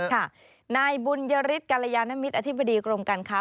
ค่ะนายบุญริตกัลยานมิตรอธิบดีกรมการค้า